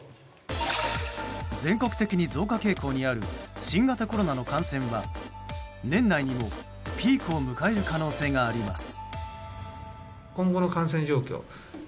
全国的に増加傾向にある新型コロナの感染は年内にもピークを迎える可能性があります。